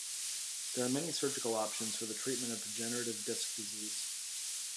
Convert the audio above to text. There are many surgical options for the treatment of degenerative disc disease.